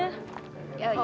oh yaudah deh